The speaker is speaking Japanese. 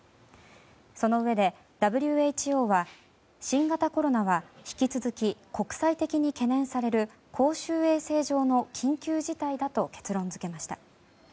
そのうえでＷＨＯは新型コロナは引き続き国際的に懸念される公衆衛生上の緊急事態だと結論付けました。